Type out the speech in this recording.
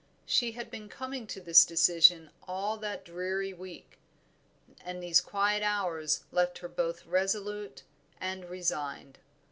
She had been coming to this decision all that weary week, and these quiet hours left her both resolute and resigned.